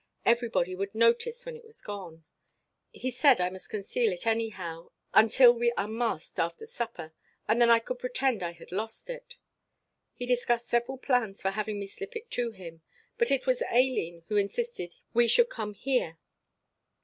Everybody would notice when it was gone. He said I must conceal it anyhow until we unmasked after supper, and then I could pretend I had lost it. He discussed several plans for having me slip it to him, but it was Aileen who insisted we should come here.